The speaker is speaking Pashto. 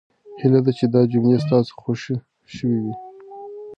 هیله ده چې دا جملې ستاسو خوښې شوې وي.